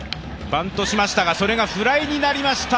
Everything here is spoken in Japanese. バントしましたがそれがフライになりました。